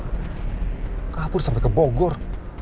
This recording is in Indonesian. dia kabur sampai ke bogor